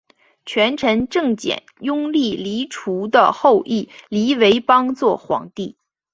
权臣郑检拥立黎除的后裔黎维邦做皇帝。